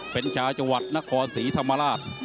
เป็นชาวจัวรรดิ์นครศรีธรรมราช